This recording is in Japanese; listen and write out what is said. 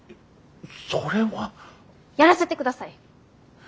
それは。やらせてください！